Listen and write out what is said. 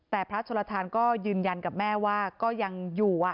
แต่พระชนลทานก็ยืนยันกับแม่ว่าก็ยังอยู่